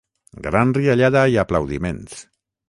Gran riallada i aplaudiments.